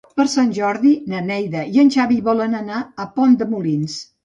Per Sant Jordi na Neida i en Xavi volen anar a Pont de Molins.